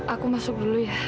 aku masuk dulu ya